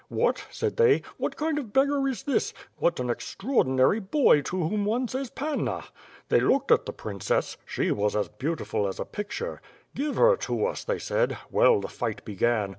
'What!' said they, *what kind of beggar is this. What an extraordintry boy to whom one says, Panna!' They looked at the princess. She was as beautiful as a picture. Give her to us they said. Well, the fight began.